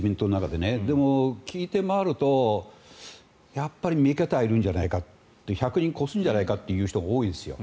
でも、聞いて回ると３桁はいるんじゃないかと１００人超すんじゃないかという人は多いですよ。